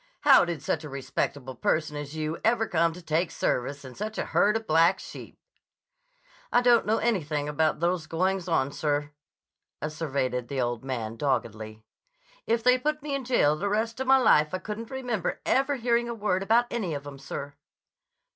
How did such a respectable person as you ever come to take service in such a herd of black sheep?" "I don't know anything about those goings on, sir," asseverated the old man doggedly. "If they put me in jail the rest of my life I couldn't remember ever hearing a word about any of 'em, sir."